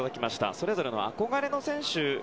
それぞれの憧れの選手